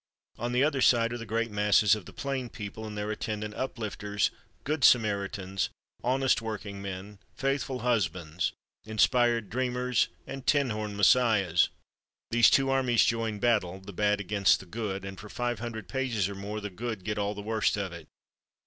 On the other side are the great masses of the plain people, and their attendant Uplifters, Good Samaritans, Honest Workingmen, Faithful Husbands, Inspired Dreamers and tin horn Messiahs. These two armies join battle, the Bad against the Good, and for five hundred pages or more the Good get all the worst of it.